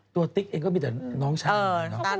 ติ๊กเองก็มีแต่น้องชาย